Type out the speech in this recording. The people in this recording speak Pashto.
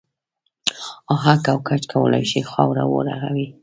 اهک او ګچ کولای شي خاوره و رغوي.